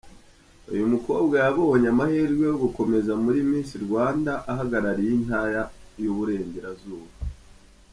Uyu mukobwa yabonye amahirwe yo gukomeza muri Miss Rwanda ahagarariye intara y'Uburengerazuba.